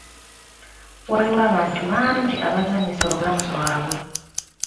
Waliwo abantu bangi abazanyisa obulamu bwabwe.